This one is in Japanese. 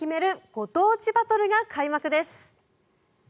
ご当地バトルが開幕です。